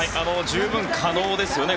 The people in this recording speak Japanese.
十分可能ですよね